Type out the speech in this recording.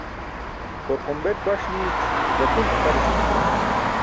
Qorqombeṭ baṣ niic ẓakun aqarisum juwan.